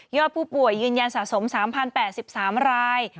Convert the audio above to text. ผู้ป่วยยืนยันสะสม๓๐๘๓ราย